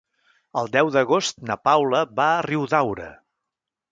El deu d'agost na Paula va a Riudaura.